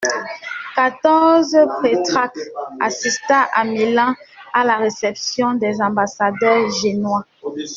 quatorze Pétrarque assista à Milan à la réception des ambassadeurs génois.